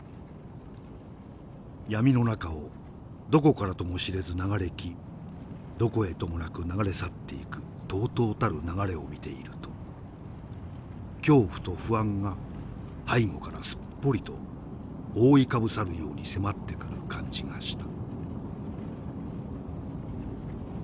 闇の中をどこからとも知れず流れ来どこへともなく流れ去っていくとうとうたる流れを見ていると恐怖と不安が背後からすっぽりと覆いかぶさるように迫ってくる感じがした」。